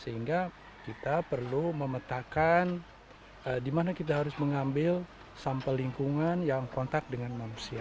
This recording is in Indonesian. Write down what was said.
sehingga kita perlu memetakan di mana kita harus mengambil sampel lingkungan yang kontak dengan manusia